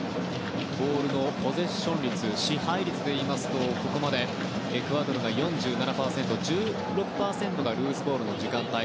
ボールのポゼッション率支配率でいうとここまでエクアドルが４７％１６％がルーズボールの時間帯。